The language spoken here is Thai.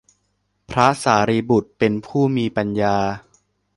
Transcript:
พระสารีบุตร เป็นผู้มีปัญญา